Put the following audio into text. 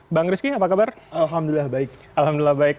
bang rizky apa kabar alhamdulillah baik